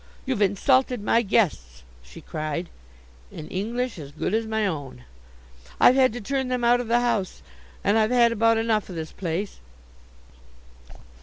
"You've insulted my guests!" she cried, in English as good as my own. "I've had to turn them out of the house, and I've had about enough of this place."